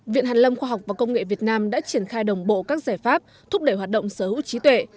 viện hàn lâm khoa học và công nghệ việt nam đã triển khai đồng bộ các giải pháp thúc đẩy hoạt động sở hữu trí tuệ